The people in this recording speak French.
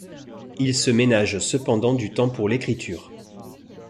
Il se ménage cependant du temps pour l'écriture.